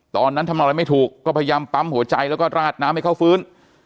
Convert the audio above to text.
ตอนนั้นทำอะไรไม่ถูกก็พยายามปั๊มหัวใจแล้วก็ราดน้ำให้เขาฟื้น